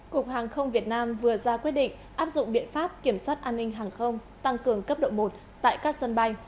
cục hàng không việt nam vừa ra quyết định áp dụng biện pháp kiểm soát an ninh hàng không tăng cường cấp độ một tại các sân bay